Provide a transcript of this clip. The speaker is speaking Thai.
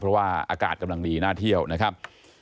เพราะว่าอากาศกำลังดีน่าเที่ยวนะครับ